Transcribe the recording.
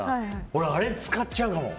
おれ、あれ使っちゃうかも。